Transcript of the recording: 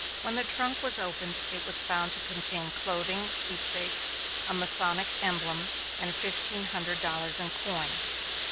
When the trunk was opened, it was found to contain clothing, keepsakes, a Masonic emblem, and fifteen hundred dollars in coin.